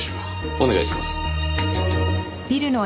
お願いします。